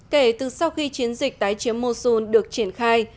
kể từ sau khi chiến dịch tái chiếm mosul được triển khai